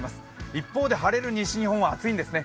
一方で晴れる西日本は暑いんですね。